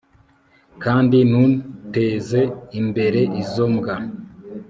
kandi ntuteze imbere izo mbwa